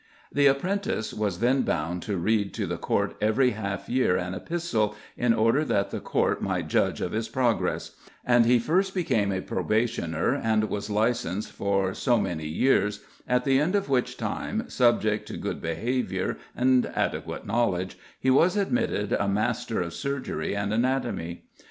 The apprentice was then bound to read to the court every half year an epistle, in order that the court might judge of his progress; and he first became a probationer and was licensed for so many years, at the end of which time, subject to good behaviour and adequate knowledge, he was admitted a master of surgery and anatomy.